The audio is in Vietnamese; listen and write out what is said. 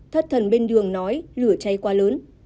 thất thần bên đường nói lửa cháy quá lớn